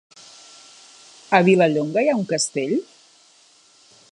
A Vilallonga hi ha un castell?